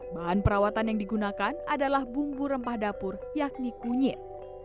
bahan perawatan yang digunakan adalah bumbu rempah dapur yakni kunyit